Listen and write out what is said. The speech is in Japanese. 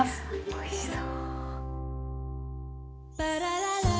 おいしそう。